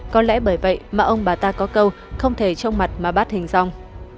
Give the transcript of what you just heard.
có lẽ bởi vậy mà ông bà ta có câu không thể trong mặt mà bắt hình dòng